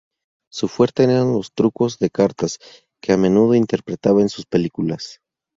Su fuerte eran los trucos de cartas, que a menudo interpretaba en sus películas.